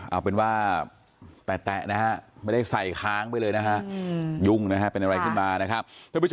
เอาเป็นว่าแตะนะฮะไม่ได้ใส่ค้างไปเลยนะฮะยุ่งนะฮะเป็นอะไรขึ้นมานะครับ